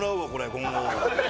今後？